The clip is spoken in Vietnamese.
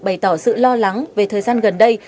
bày tỏ sự lo lắng về thời gian gần đây